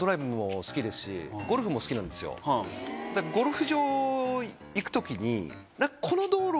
ゴルフ場行く時に。